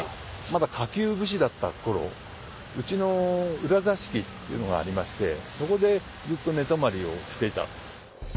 まだ下級武士だった頃うちの裏座敷っていうのがありましてそこでずっと寝泊まりをしていた。